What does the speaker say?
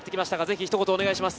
ひと言お願いします。